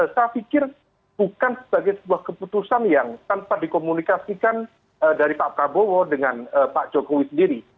saya pikir bukan sebagai sebuah keputusan yang tanpa dikomunikasikan dari pak prabowo dengan pak jokowi sendiri